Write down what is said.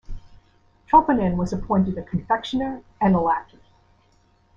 Tropinin was appointed a confectioner and a lackey.